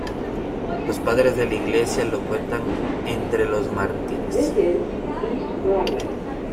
Los padres de la Iglesia lo cuentan entre los mártires.